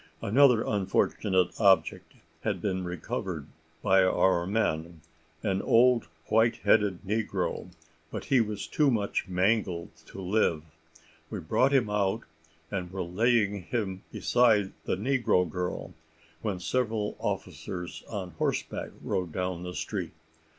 Another unfortunate object had been recovered by our men, an old white headed negro, but he was too much mangled to live. We brought him out, and were laying him beside the negro girl, when several officers on horseback rode down the street.